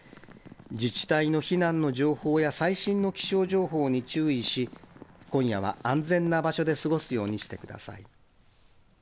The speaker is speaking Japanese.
自治体の避難の情報や最新の気象情報に注意し、今夜は安全な場所で過ごすようにしてください。